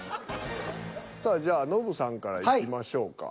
さあじゃあノブさんからいきましょうか。